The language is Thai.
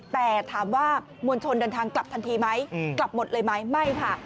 แต่ถามว่ามวลชนเดินทางกลับทันทีไหมกลับหมดเลยไหมไม่ค่ะ